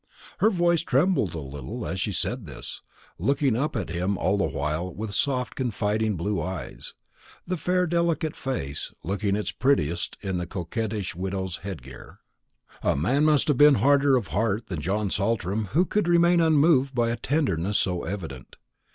Her voice trembled a little as she said this, looking up at him all the while with soft confiding blue eyes, the fair delicate face looking its prettiest in the coquettish widow's head gear. A man must have been harder of heart than John Saltram who could remain unmoved by a tenderness so evident.